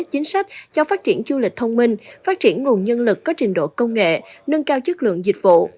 chính sách cho phát triển du lịch thông minh phát triển nguồn nhân lực có trình độ công nghệ nâng cao chất lượng dịch vụ